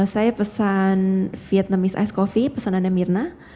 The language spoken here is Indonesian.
saya pesan vietnamese ice coffee pesanannya mirna